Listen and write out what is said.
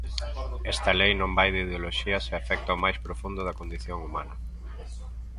Esta lei non vai de ideoloxías e afecta o máis profundo da condición humana.